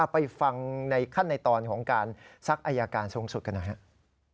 ไปฟังในขั้นในตอนของการซักอายการสูงสุดกันหน่อยครับ